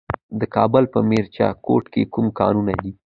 د کابل په میربچه کوټ کې کوم کانونه دي؟